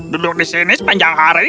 duduk di sini sepanjang hari